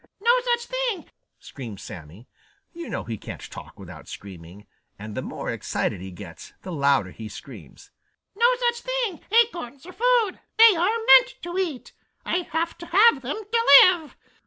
"No such thing!" screamed Sammy. You know he can't talk without screaming, and the more excited he gets, the louder he screams. "No such thing! Acorns are food. They are meant to eat. I have to have them to live.